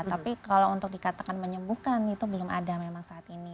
tapi kalau untuk dikatakan menyembuhkan itu belum ada memang saat ini